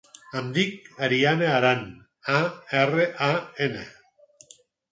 Em dic Ariana Aran: a, erra, a, ena.